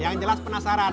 yang jelas penasaran